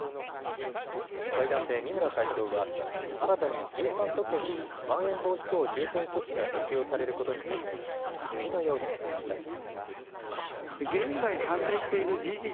会談で三村会頭は新たに１３都県に、まん延防止等重点措置が適用されることに関連し、次のように述べました。